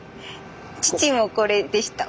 父もこれでした。